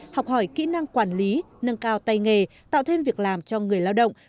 học hỏi kỹ năng quản lý nâng cao tay nghề tạo thêm việc làm cho người lao động